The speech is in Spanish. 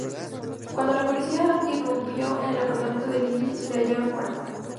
Cuando la policía irrumpió en el apartamento de Lilly, la hallaron muerta.